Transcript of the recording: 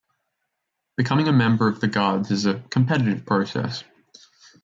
Becoming a member of the Guards is a competitive process.